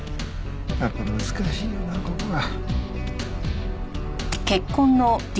やっぱり難しいよなここは。